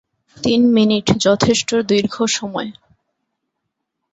তিন মিনিট যথেষ্ট দীর্ঘ সময়!